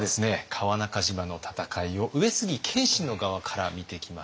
川中島の戦いを上杉謙信の側から見てきました。